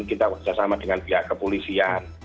kita bekerja sama dengan pihak kepolisian